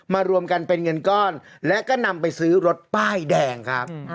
รวมกันเป็นเงินก้อนและก็นำไปซื้อรถป้ายแดงครับ